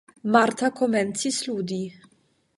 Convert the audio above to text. Marta komencis ludi.